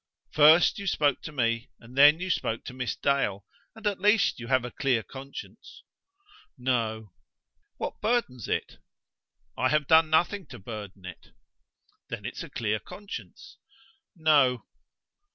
"First you spoke to me, and then you spoke to Miss Dale; and at least you have a clear conscience." "No." "What burdens it?" "I have done nothing to burden it." "Then it's a clear conscience." "No."